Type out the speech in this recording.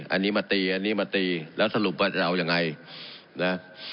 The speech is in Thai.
อันนี้มาตีอันนี้มาตีแล้วสรุปว่าจะเอายังไงนะ